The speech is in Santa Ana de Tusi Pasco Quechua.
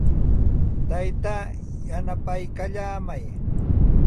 Taytaa yanapaykallaamay.